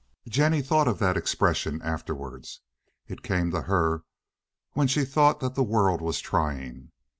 Jennie thought of that expression afterward. It came to her when she thought that the world was trying.